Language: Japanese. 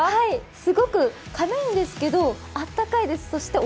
すごく軽いんですけどあったかいです。